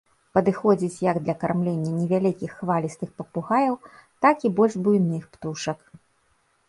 Падыходзіць як для кармлення невялікіх хвалістых папугаяў, так і больш буйных птушак.